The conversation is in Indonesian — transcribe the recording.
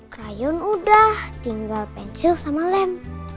krayon udah tinggal pensil sama lem